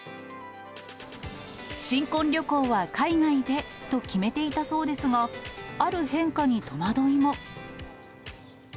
新婚旅行は海外でと決めていたそうですが、ある変化に戸惑いも。